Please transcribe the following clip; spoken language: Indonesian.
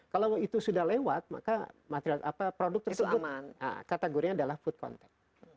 kalau itu sudah lewat maka produk tersebut kategorinya adalah food contact